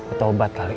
atau obat kali